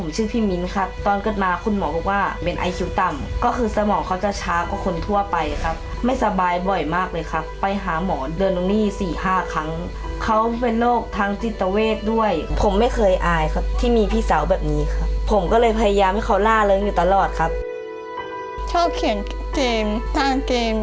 ชอบเขียนเกมส์สร้างเกมส์และก็ใช้แอปสรรคติกเกอร์ไลน์